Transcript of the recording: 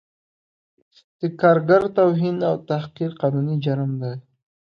د کارګر توهین او تحقیر قانوني جرم دی